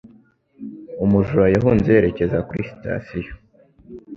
Umujura yahunze yerekeza kuri sitasiyo